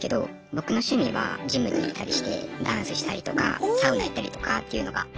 僕の趣味はジムに行ったりしてダンスしたりとかサウナ行ったりとかっていうのが。